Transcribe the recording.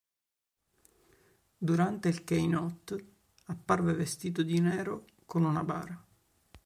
Durante il keynote, apparve vestito di nero, con una bara.